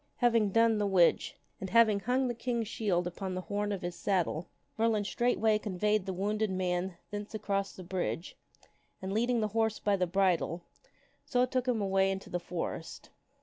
Having done the which and having hung the King's shield upon the horn of his saddle, Merlin straightway 60 THE WINNING OF A SWORD conveyed the wounded man thence across the bridge, and, leading the horse by the bridle, so took him away into the forest.